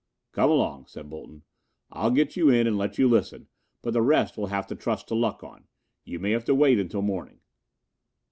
"Come along," said Bolton. "I'll get you in and let you listen, but the rest we'll have to trust to luck on. You may have to wait until morning."